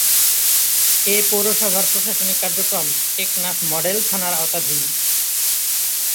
এ পৌরসভার প্রশাসনিক কার্যক্রম টেকনাফ মডেল থানার আওতাধীন।